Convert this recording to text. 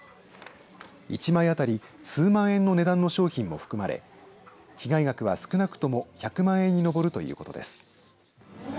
１枚当たり数万円の値段の商品も含まれ被害額は少なくとも１００万円に上るということです。